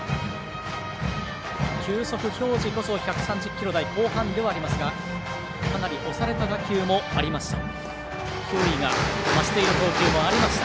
球速表示こそ１３０キロ台後半ではありますがかなり押された打球もありました。